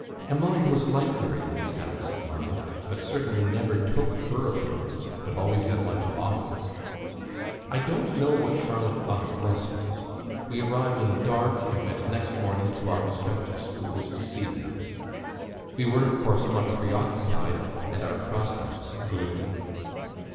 Emily was like her in these habits of mind, but certainly never took her opinion, but always had one to offer ... I don't know what Charlotte thought of Brussels. We arrived in the dark, and went next morning to our respective schools to see them. We were, of course, much preoccupied, and our prospects gloomy.